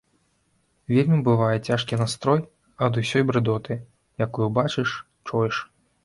Вельмі бывае цяжкі настрой ад усёй брыдоты, якую бачыш, чуеш.